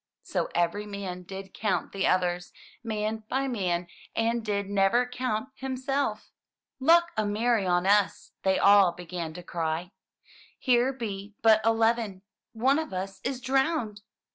So every man did count the others, man by man, and did never count himself! Lauk a mercy on us!" they all began to cry. "Here be but eleven. One of us is drowned!"